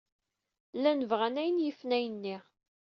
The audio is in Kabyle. Llan bɣan ayen yifen ayenni.